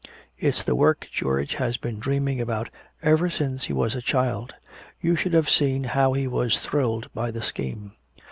It's the work George has been dreaming about ever since he was a child. You should have seen how he was thrilled by the scheme.